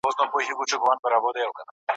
ایله خر یې وو تر بامه رسولی